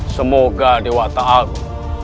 semoga dewa ta'alu